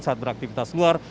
saat beraktifitas luar